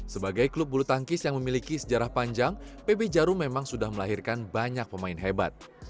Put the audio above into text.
sebagai klub bulu tangkis yang memiliki sejarah panjang pb jarum memang sudah melahirkan banyak pemain hebat